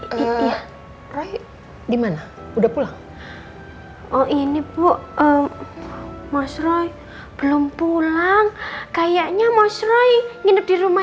hai eh roy gimana udah pulang oh ini bu mas roy belum pulang kayaknya mas roy nginep di rumah